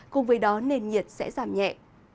cùng với đó nền nhiệt sẽ giảm nhẹ